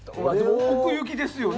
奥行きですよね。